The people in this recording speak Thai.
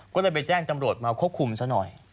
ก็เลยไปแจ้งตำรวจมาควบคุมซะหน่อย